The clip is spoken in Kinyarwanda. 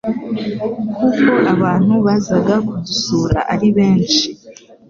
kuko abantu bazaga kudusura ari benshi